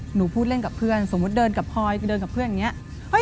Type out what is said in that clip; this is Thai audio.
หนูพูดเล่นกับเพื่อนสมมุติเดินกับพลอยคือเดินกับเพื่อนอย่างนี้